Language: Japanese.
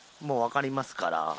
もうわかりますから。